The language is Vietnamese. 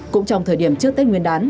cũng trong thời điểm trước tết nguyên đán